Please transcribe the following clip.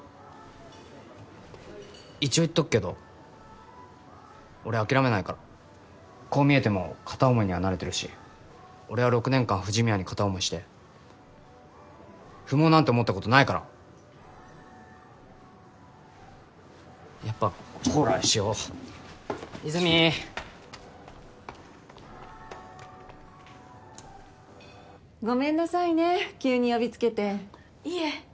一応言っとくけど俺諦めないからこう見えても片思いには慣れてるし俺は６年間藤宮に片思いして不毛なんて思ったことないからやっぱコーラにしよ和泉ごめんなさいね急に呼びつけていえ